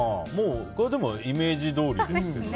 これはイメージどおりですね。